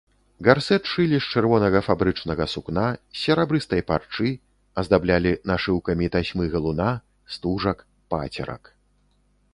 Гарсэт шылі з чырвонага фабрычнага сукна, з серабрыстай парчы, аздаблялі нашыўкамі тасьмы-галуна, стужак, пацерак.